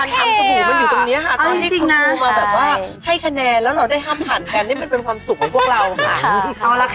ตอนนี้คุณครูมาแบบว่าให้คะแนนแล้วเราได้ห้ามผ่านกันนี่มันเป็นความสุขของพวกเราค่ะ